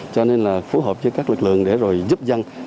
cho nên là phối hợp với các lực lượng để rồi giúp dân